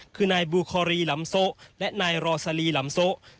คือนายบูคอรีลำโซะและนายรอซาลีลำโซะ